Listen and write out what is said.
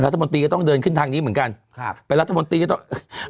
รัฐมนตรีก็ต้องเดินขึ้นทางนี้เหมือนกันครับเป็นรัฐมนตรีก็ต้อง